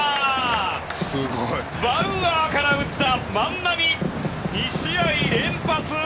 バウアーから打った万波２試合連発！